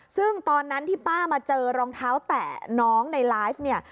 ซึ่งตอนนั้นที่ป้ามาเจอรองเท้าแตะน้องในไลฟ์เนี่ย